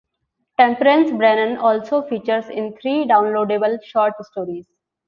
Temperance Brennan also features in three downloadable short stories.